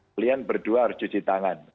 kalian berdua harus cuci tangan